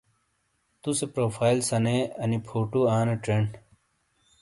تُسے پروفائل سَنے آنی فُوٹوآنے چیݨ۔